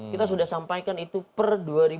kita sudah sampaikan itu per dua ribu lima belas